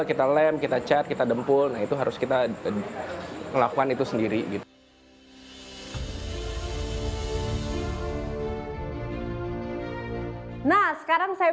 kita lem kita cat kita dempul nah itu harus kita ngelakuan itu sendiri gitu nah sekarang saya